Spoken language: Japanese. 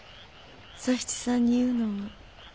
佐七さんに言うのは。